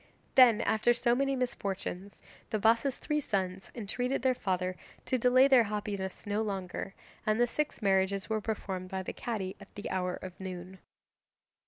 Then, after so many misfortunes, the Bassa's three sons entreated their father to delay their happiness no longer, and the six marriages were performed by the Cadi at the hour of noon.